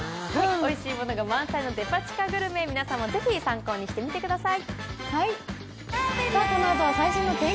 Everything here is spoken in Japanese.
おいしいものが満載のデパ地下グルメ、皆さんもぜひ、参考にしてみてください。